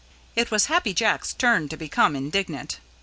It was Happy Jacks' turn to become indignant.